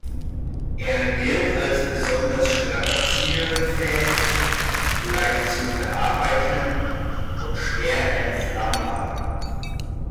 Er gilt als besonders strapazierfähig, leicht zu verarbeiten und schwer entflammbar.